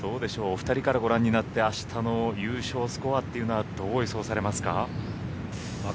お２人からご覧になって明日の優勝スコアというのはどう予想されますか？